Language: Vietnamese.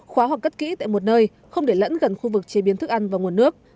khóa hoặc cất kỹ tại một nơi không để lẫn gần khu vực chế biến thức ăn và nguồn nước